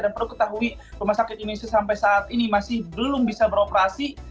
dan perlu ketahui rumah sakit indonesia sampai saat ini masih belum bisa beroperasi